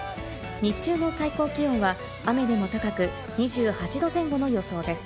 日中の最高気温は雨でも高く、２８度前後の予想です。